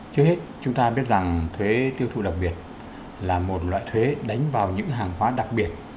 trước hết chúng ta biết rằng thuế tiêu thụ đặc biệt là một loại thuế đánh vào những hàng hóa đặc biệt